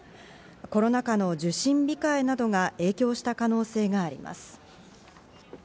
コロナ禍の受診控えなどが影響した可能性があります。